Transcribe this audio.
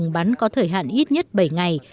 ngừng bắn có thời hạn ít nhất bảy ngày